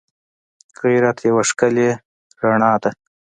غیرت یوه ښکلی رڼا ده